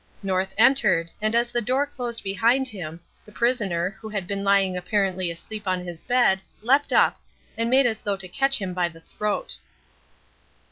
North entered, and as the door closed behind him, the prisoner, who had been lying apparently asleep upon his bed, leapt up, and made as though to catch him by the throat.